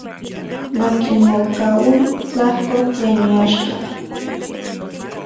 Makimokaui tlajko tlen iaxka.